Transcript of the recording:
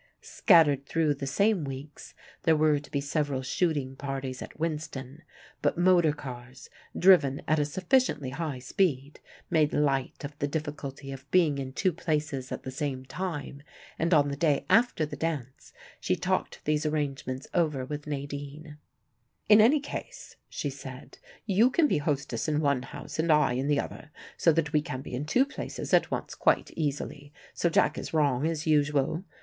Scattered through the same weeks there were to be several shooting parties at Winston, but motor cars, driven at a sufficiently high speed, made light of the difficulty of being in two places at the same time, and on the day after the dance she talked these arrangements over with Nadine. "In any case," she said, "you can be hostess in one house and I, in the other, so that we can be in two places at once quite easily, so Jack is wrong as usual.